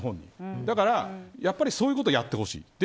だから、そういうことをやってほしい。